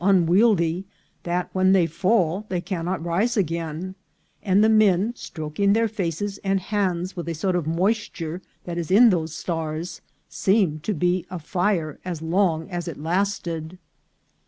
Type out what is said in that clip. unwieldy that when they fall they cannot rise again ; and the Men streaking their Faces and Hands with a sort of Moisture that is in those Stars, seemed to be afire as long as it lasted."